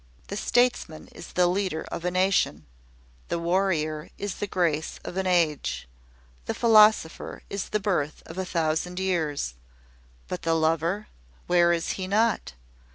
The statesman is the leader of a nation the warrior is the grace of an age the philosopher is the birth of a thousand years; but the lover where is he not?